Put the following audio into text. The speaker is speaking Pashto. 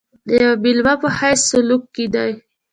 د یوه مېلمه په حیث سلوک کېدی.